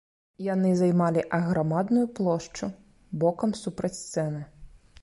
Яны займалі аграмадную плошчу, бокам супроць сцэны.